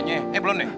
eh belum ya